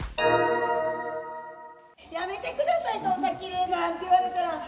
やめてください、そんなキレイなんて言われたら。